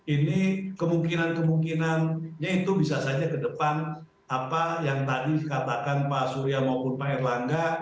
ini kemungkinan kemungkinannya itu bisa saja ke depan apa yang tadi dikatakan pak surya maupun pak erlangga